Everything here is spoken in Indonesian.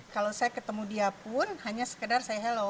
kalau saya ketemu dia pun hanya sekedar saya hello